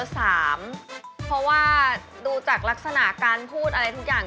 เพราะว่าดูจากลักษณะการพูดอะไรทุกอย่าง